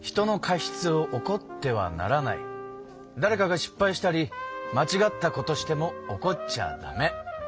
だれかが失敗したりまちがったことしても怒っちゃダメ。